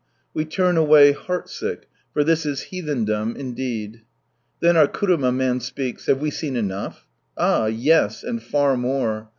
Wc turn away heart sick, for this is heathendom indeed. Then our kuruma man speaks :" Have we seen enough ?" Ah I yes, and far more.